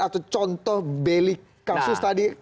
atau contoh beli kasus tadi